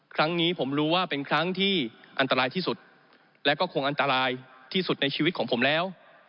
ครั้งนี้ผมรู้ว่าเป็นครั้งที่อันตรายที่สุดและก็คงอันตรายที่สุดในชีวิตของผมแล้ว